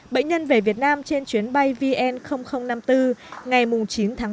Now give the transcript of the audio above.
bệnh nhân về việt nam trên chuyến bay vn năm mươi bốn ngày chín tháng ba